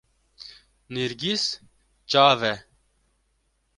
nêrgîz çav e